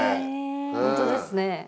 本当ですね。